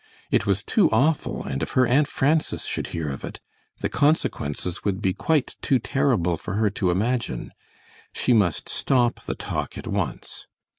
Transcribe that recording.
It was too awful, and if her Aunt Frances should hear of it, the consequences would be quite too terrible for her to imagine. She must stop the talk at once.